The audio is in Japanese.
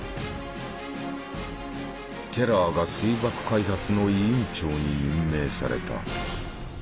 テラーが水爆開発の委員長に任命された。